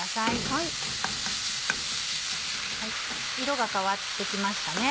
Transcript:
色が変わって来ましたね。